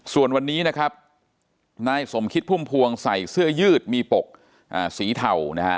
ส่วนวันนี้นะครับนายสมคิดพุ่มพวงใส่เสื้อยืดมีปกสีเทานะฮะ